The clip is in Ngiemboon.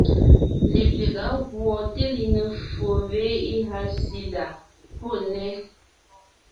Lepyága gùɔ teliŋe ffo (VIH/SIDA) pɔ́ nnέ,